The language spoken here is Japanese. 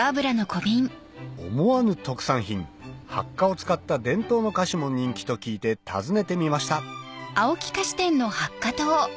思わぬ特産品ハッカを使った伝統の菓子も人気と聞いて訪ねてみました